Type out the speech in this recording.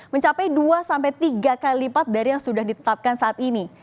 mencapai dua tiga kali lipat dari yang sudah ditetapkan saat ini